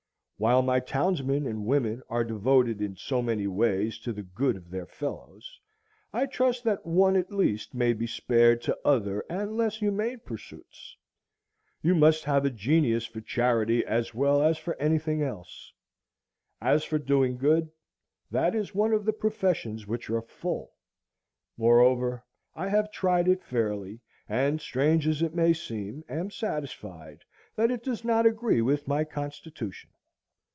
While my townsmen and women are devoted in so many ways to the good of their fellows, I trust that one at least may be spared to other and less humane pursuits. You must have a genius for charity as well as for any thing else. As for Doing good, that is one of the professions which are full. Moreover, I have tried it fairly, and, strange as it may seem, am satisfied that it does not agree with my constitution.